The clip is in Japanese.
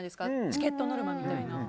チケットノルマみたいな。